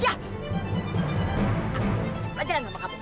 mas aku gak bisa belajar sama kamu